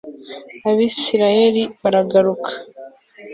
abayisraheli baragaruka